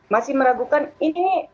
masih meragukan ini